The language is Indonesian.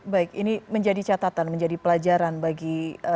baik ini menjadi catatan menjadi pelajaran bagi